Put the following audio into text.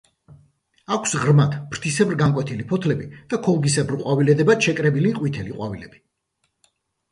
აქვს ღრმად, ფრთისებრ განკვეთილი ფოთლები და ქოლგისებრ ყვავილედებად შეკრებილი ყვითელი ყვავილები.